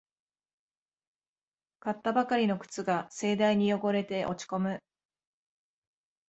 買ったばかりの靴が盛大に汚れて落ちこむ